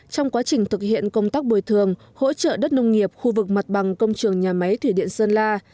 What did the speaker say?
trong quá trình thực hiện công tác bồi thường hỗ trợ đất nông nghiệp khu vực mặt bằng công trường nhà máy thủy điện sơn la